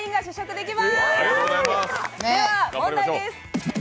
では、問題です。